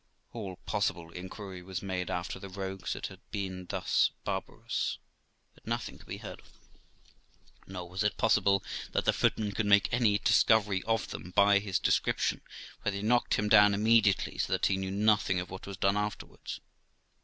All possible inquiry was made after the rogues that had been thus barbarous, but nothing could be heard of them; nor was it possible that the footman could make any discovery of them by his description, for they knocked him down immediately, so that he knew nothing of what was done afterwards.